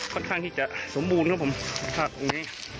ตอนนี้เราก็มาเจออีก๑พระธาตุครับผม